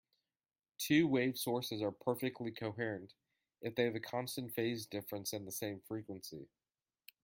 Two-wave sources are perfectly coherent if they have a constant phase difference and the same frequency.